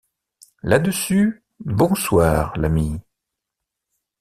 Là-dessus, bonsoir, l’ami.